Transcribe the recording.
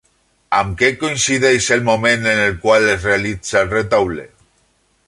Amb què coincideix el moment en el qual es realitza el retaule?